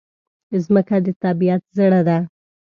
مځکه د طبیعت زړه ده.